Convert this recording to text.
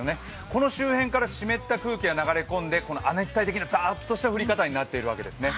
この周辺から湿った空気が流れ込んで、亜熱帯的なザーッとした降り方になってるんですね。